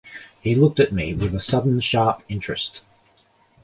He looked at me with a sudden sharp interest.